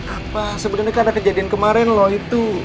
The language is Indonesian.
apa sebenarnya kan ada kejadian kemarin loh itu